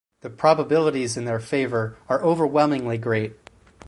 The probabilities in their favor are overwhelmingly great.